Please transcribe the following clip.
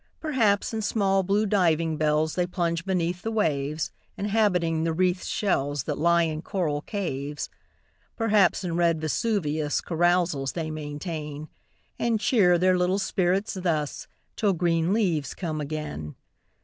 Perhaps, in small, blue diving bells They plunge beneath the waves, Inhabiting the wreathed shells That lie in coral caves. Perhaps, in red Vesuvius Carousals they maintain ; And cheer their little spirits thus, Till green leaves come again.